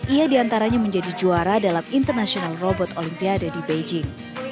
ia diantaranya menjadi juara dalam international robot olimpiade di beijing